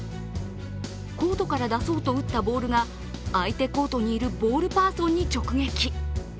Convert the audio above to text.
コートから出そうと打ったボールが相手コートにいるボールパーソンに直撃。